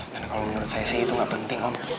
dan kalau menurut saya sih itu gak penting om